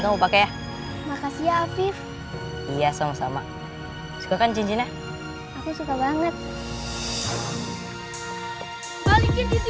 kamu pakai makasih ya afif iya sama sama suka kan cincinnya aku suka banget balikin itu